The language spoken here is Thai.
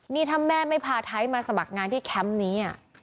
นี่ถ้าแม่ไม่พาไทยมาสมัครงานที่แคมป์นี้